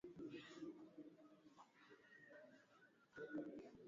mtandao unatakiwa kuwa vizuri muda wote